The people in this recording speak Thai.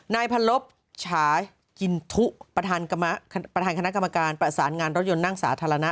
นายพันลบฉากินทุประธานคณะกรรมการประสานงานรถยนต์นั่งสาธารณะ